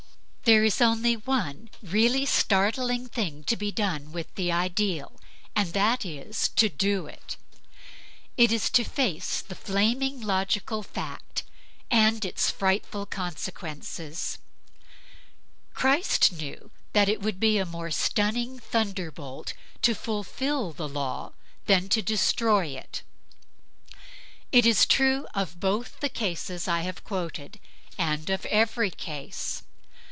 There is only one really startling thing to be done with the ideal, and that is to do it. It is to face the flaming logical fact, and its frightful consequences. Christ knew that it would be a more stunning thunderbolt to fulfil the law than to destroy it. It is true of both the cases I have quoted, and of every case.